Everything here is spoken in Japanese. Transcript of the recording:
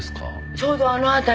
ちょうどあの辺り。